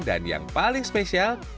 dan yang paling spesial